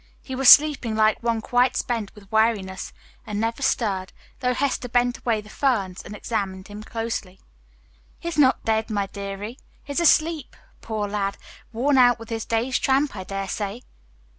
He was sleeping like one quite spent with weariness, and never stirred, though Hester bent away the ferns and examined him closely. "He's not dead, my deary; he's asleep, poor lad, worn out with his day's tramp, I dare say."